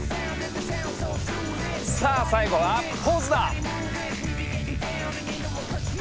さあ最後はポーズだ！